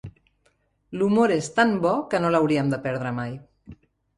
L'humor és tant bo que no l'hauríem de perdre mai.